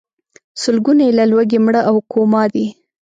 سلګونه یې له لوږې مړه او کوما دي.